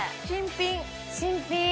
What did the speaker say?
新品新品！